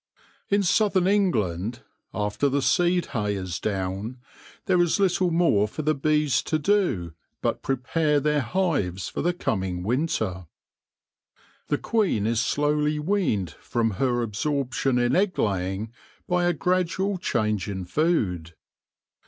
In southern England, after the seed hay is down, there is little more for the bees to do but prepare their hives for the coming winter. The queen is slowly weaned from her absorption in egg laying by a gradual change in food.